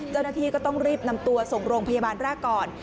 เจ้าหน้าที่ก็ต้องรีบนำตัวส่งโรงพยาบาลแรกก่อน